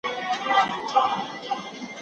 به چشم زاهد اګر مست و رند قلاشیم